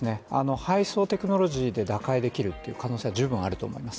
配送テクノロジーで打開できるという可能性は十分あると思います。